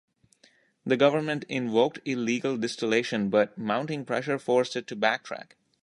The government invoked illegal distillation, but mounting pressure forced it to backtrack.